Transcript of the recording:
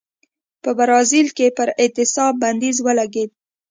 په برازیل کې پر اعتصاب بندیز ولګېد.